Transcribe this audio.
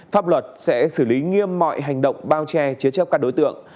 pháp luật sẽ xử lý nghiêm mọi hành động bao che chế chấp các đối tượng